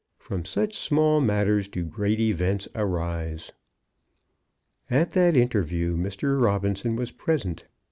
From such small matters do great events arise. At that interview Mr. Robinson was present.